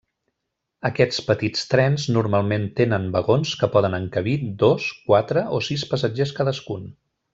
Aquests petits trens normalment tenen vagons que poden encabir dos, quatre o sis passatgers cadascun.